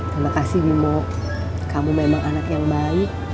terima kasih bimo kamu memang anak yang baik